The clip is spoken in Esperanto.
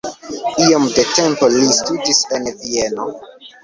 Iom de tempo li studis en Vieno.